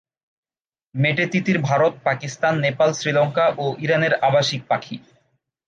মেটে তিতির ভারত, পাকিস্তান, নেপাল, শ্রীলঙ্কা ও ইরানের আবাসিক পাখি।